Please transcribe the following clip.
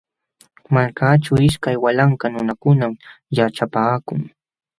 Malkaaćhu ishkay walanka nunakunam yaćhapaakun.